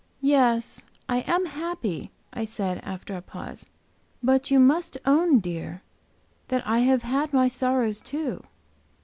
"Yes, I am happy," I said, after a pause; "but you must own, dear, that I have had my sorrows, too.